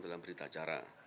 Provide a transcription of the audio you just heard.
dalam berita acara